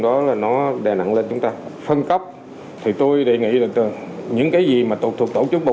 đó là nó đè nặng lên chúng ta phân cấp thì tôi đề nghị là những cái gì mà thuộc tổ chức một